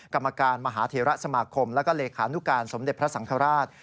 กรรมการมหาเทระสมาคมแล้วก็เลขานุการสมเด็จพระสังฆราช